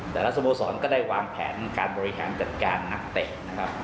สโมสรก็ได้วางแผนการบริหารจัดการนักเตะนะครับ